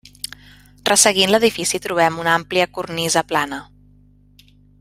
Resseguint l'edifici trobem una àmplia cornisa plana.